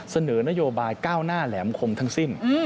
เสนอนโยบายก้าวหน้าแหลมคมทั้งสิ้น